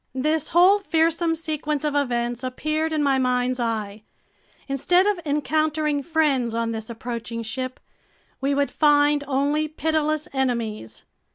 This whole fearsome sequence of events appeared in my mind's eye. Instead of encountering friends on this approaching ship, we would find only pitiless enemies.